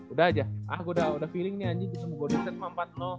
udah aja ah udah feeling nih anjir ketemu golden state sama empat